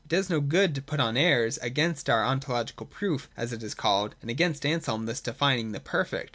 It does no good to put on airs against the On tological proof, as it is called, and against Anselm thus defining the Perfect.